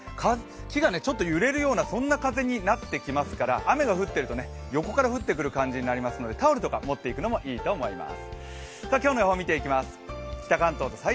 木がちょっと揺れるような風になってきますから雨が降っていると横から降ってくる感じになりますのでタオルとか持っていくのもいいと思います。